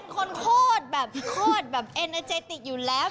เป็นคนโคตรแบบโคตรแบบแอเนอร์เจติกอยู่แล้ว